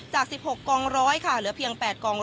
จาก๑๖๑๐๐ค่ะเหลือเพียง๘๑๐๐